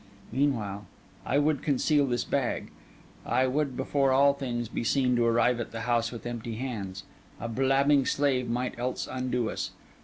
Meantime, I would conceal this bag; I would, before all things, be seen to arrive at the house with empty hands; a blabbing slave might else undo us.